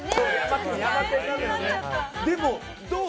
でも、どう？